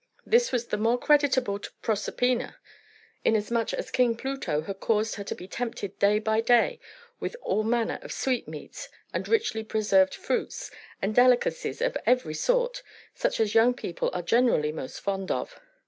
This was the more creditable to Proserpina, inasmuch as King Pluto had caused her to be tempted day after day with all manner of sweetmeats, and richly preserved fruits, and delicacies of every sort, such as young people are generally most fond of.